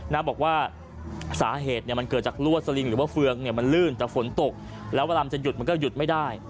นั้นบอกว่าสาเหตุมันเกิดจากรวจจากล่วนสลิงหรือว่าฟื้องหนึ่งมันลื่นแต่ฝนตกแล้วเวลามันจะหยุดมันก็หยุดไม่ได้